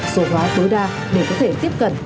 số hóa tối đa để có thể tiếp cận